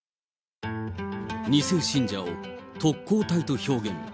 ２世信者を特攻隊と表現。